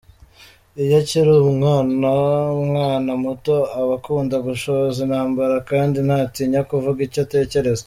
Iyo akiri umwana umwana muto aba akunda gushoza intambara kandi ntatinya kuvuga icyo atekereza.